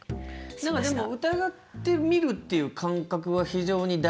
でも疑ってみるっていう感覚は非常に大事な。